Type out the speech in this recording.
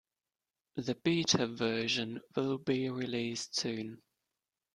The Beta version will be released soon.